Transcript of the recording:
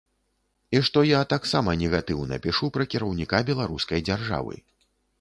І што я таксама негатыўна пішу пра кіраўніка беларускай дзяржавы.